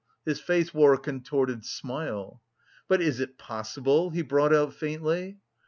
His face wore a contorted smile. "But is it possible?" he brought out faintly.